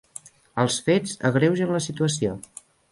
Els fets agreugen la situació.